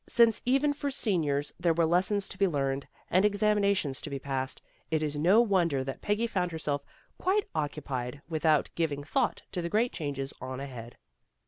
Since even for seniors there were lessons to be learned, and examinations to be passed, it is no wonder that Peggy found herself quite occupied with A PARTIAL ECLIPSE 255 out giving thought to the great changes on ahead.